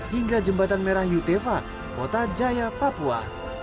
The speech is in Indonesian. hingga jembatan merah yutefa kota jaya papua